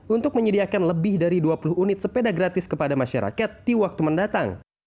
untuk menyediakan lebih dari dua puluh unit sepeda gratis kepada masyarakat di waktu mendatang